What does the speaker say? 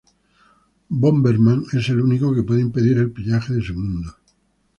Bomberman es el único que puede impedir el pillaje de su mundo.